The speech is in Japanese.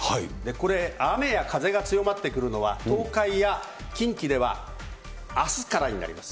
これ、雨や風が強まってくるのは東海や近畿ではあすからになります。